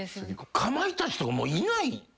かまいたちとかいない。